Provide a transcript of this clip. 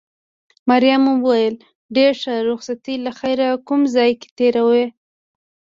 مريم وویل: ډېر ښه، رخصتي له خیره کوم ځای کې تېروې؟